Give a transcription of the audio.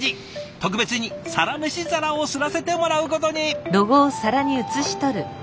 特別に「サラメシ」皿を刷らせてもらうことに。